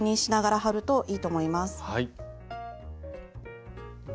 はい。